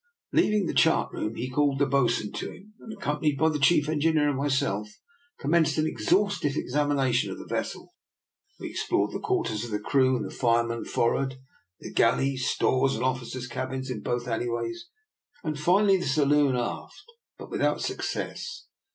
Leaving the chart room he called the bos'un to him, and, accompanied by the chief engineer and myself, commenced an exhaus tive examination of the vessel. We explored the quarters of the crew and firemen forrard, the galley, stores, and officers' cabins in both alleyways, and finally the saloon aft, but with out success.